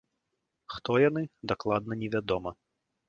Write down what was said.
Хто яны, дакладна невядома.